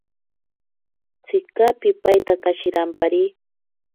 Tsika pipaitaka shirampari.